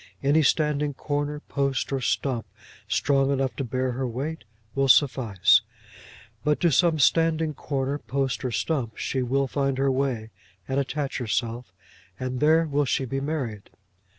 Any standing corner, post, or stump, strong enough to bear her weight will suffice; but to some standing corner, post, or stump, she will find her way and attach herself, and there will she be married.